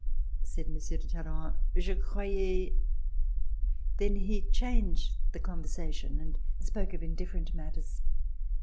said Monsieur de Talleyrand, "je croyais ••• Then he changed the conversation and spoke of indifferent matters.